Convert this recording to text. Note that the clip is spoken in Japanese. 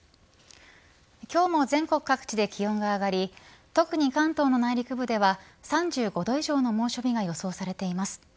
今日も全国各地で気温が上がり特に関東の内陸部では３５度以上の猛暑日が予想されています。